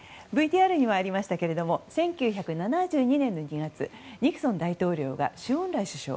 ＶＴＲにもありましたが１９７２年の２月ニクソン大統領が周恩来首相